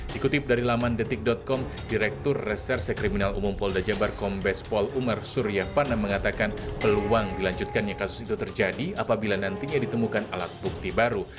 dikutip dari laman detik com direktur reserse kriminal umum polda jabar kombes pol umar surya fana mengatakan peluang dilanjutkannya kasus itu terjadi apabila nantinya ditemukan alat bukti baru